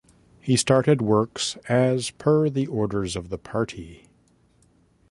He started works as per the orders of the party.